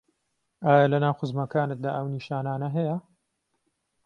ئایا لەناو خزمەکانتدا ئەو نیشانانه هەیە